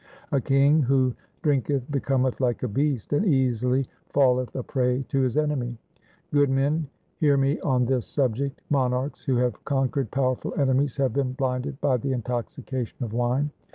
A king who drinketh becometh like a beast, and easily falleth a prey to his enemy. Good men, hear me on this subject. Monarchs who have conquered powerful enemies have been blinded by the intoxication of wine.